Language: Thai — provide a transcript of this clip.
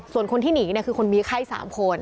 ส่วนคนที่หนีคือคนมีไข้๓คน